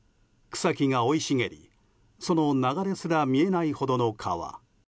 草木が生い茂りその流れすら見えないほどの川。